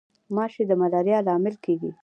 ماشي د ملاریا لامل کیږي